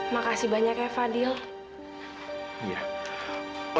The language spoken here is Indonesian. makan melihatmu seperti si typeda